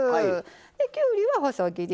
きゅうりは細切り。